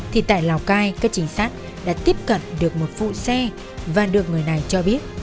thì tại lào cai các chính sát đã tiếp cận được một phụ xe và được người này cho biết